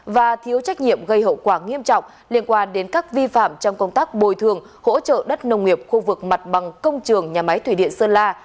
và thiếu trách nhiệm gây hậu quả nghiêm trọng liên quan đến các vi phạm trong công tác bồi thường hỗ trợ đất nông nghiệp khu vực mặt bằng công trường nhà máy thủy điện sơn la